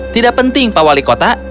tidak penting pak wali kota